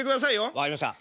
分かりました。